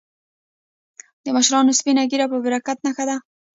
د مشرانو سپینه ږیره د برکت نښه ده.